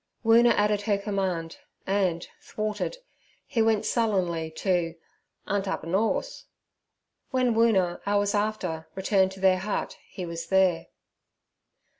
Woona added her command, and, thwarted, he went sullenly to "unt up a norse.' When Woona, hours after, returned to their hut, he was there.